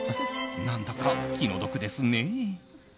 何だか気の毒ですね。